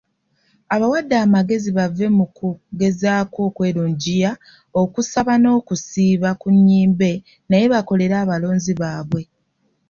Abawadde amagezi bave mu kugezaako okwerungiya, okusaba n'okusiiba ku nnyimbe naye bakolere abalonzi baabwe.